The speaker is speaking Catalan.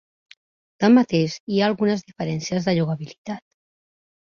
Tanmateix, hi ha algunes diferències de jugabilitat.